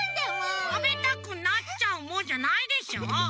「たべたくなっちゃうもん」じゃないでしょ！